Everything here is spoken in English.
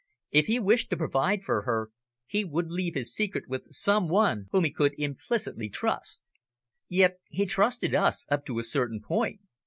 If he wished to provide for her, he would leave his secret with some one whom he could implicitly trust. Yet he trusted us up to a certain point.